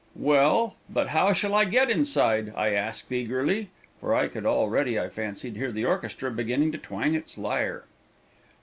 "Well, but how shall I get inside?" I asked eagerly, for I could already, I fancied, hear the orchestra beginning to twang its lyre.